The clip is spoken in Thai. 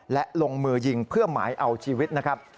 และลงมือยิงเพื่อหมายเอาชีวิตนะครับ